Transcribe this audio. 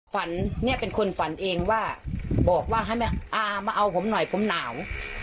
ฝันเนี่ยเป็นคนฝันเองว่าบอกว่าให้แม่อามาเอาผมหน่อยผมหนาว